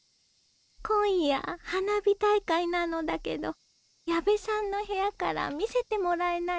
今夜花火大会なのだけど矢部さんの部屋から見せてもらえないかしら？